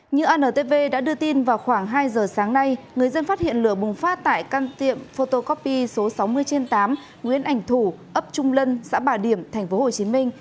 như antv đã đưa tin vào khoảng hai giờ sáng nay người dân phát hiện lửa bùng phát tại căn tiệm photocopy số sáu mươi trên tám nguyễn ảnh thủ ấp trung lân xã bà điểm tp hcm